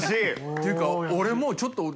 ていうか俺もうちょっと仲間）